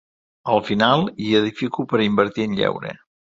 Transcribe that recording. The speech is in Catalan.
A final hi edifico per invertir en lleure.